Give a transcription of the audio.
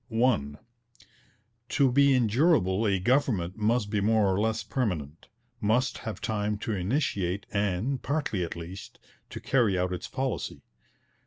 (1) To be endurable a government must be more or less permanent, must have time to initiate and, partly at least, to carry out its policy.